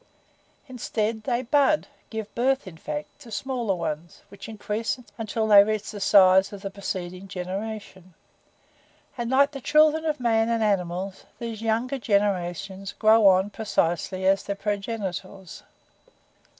"Instead, they bud give birth, in fact to smaller ones, which increase until they reach the size of the preceding generation. And like the children of man and animals, these younger generations grow on precisely as their progenitors!